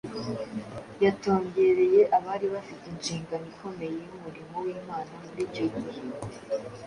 yatongereye abari bafite inshingano ikomeye y’umurimo w’Imana muri icyo gihe.